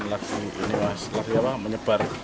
lagi ini mas lagi apa menyebar